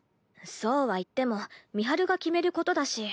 そうは言っても美晴が決めることだし。